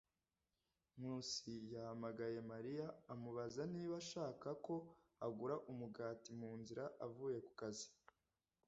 Nkusi yahamagaye Mariya amubaza niba ashaka ko agura umugati mu nzira avuye ku kazi.